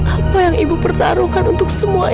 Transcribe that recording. apa yang ibu pertaruhkan untuk semua ibu